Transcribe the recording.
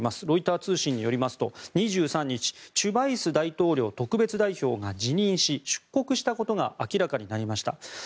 ロイター通信によりますと２３日チュバイス大統領特別代表が辞任し、出国したことが明らかになりました。